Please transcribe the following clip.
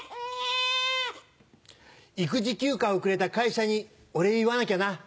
育児休暇をくれた会社にお礼言わなきゃな。